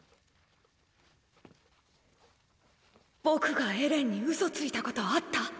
僕がエレンにウソついたことあった？